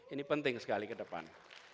ini penting sekali ke depan